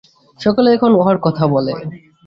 সকলেই এখন উহার কথা বলে।